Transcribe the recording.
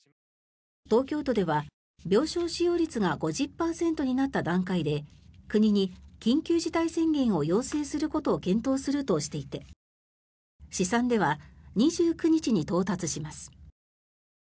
東京都では病床使用率が５０％になった段階で国に緊急事態宣言を要請することを検討するとしていて試算では２９日に到達します。